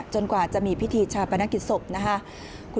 กว่าจะมีพิธีชาปนกิจศพนะครับ